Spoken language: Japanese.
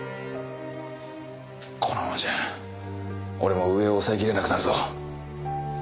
このままじゃ俺も上を抑えきれなくなるぞ。